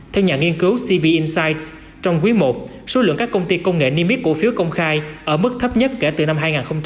theo nhà nghiên cứu cb incits trong quý i số lượng các công ty công nghệ niêm yết cổ phiếu công khai ở mức thấp nhất kể từ năm hai nghìn một mươi